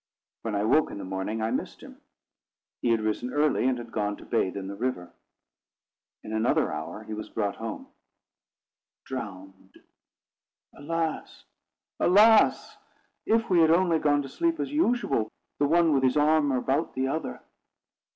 When I woke in the morning, I missed him. He had risen early, and had gone to bathe in the river. In another hour, he was brought home drowned. Alas! alas! if we had only gone to sleep as usual, the one with his arm about the other!